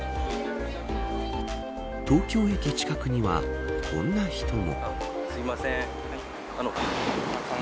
東京駅近くにはこんな人も。